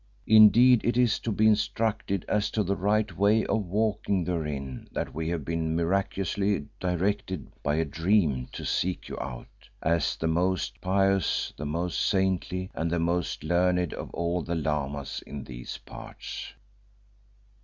Indeed it is to be instructed as to the right way of walking therein that we have been miraculously directed by a dream to seek you out, as the most pious, the most saintly and the most learned of all the Lamas in these parts."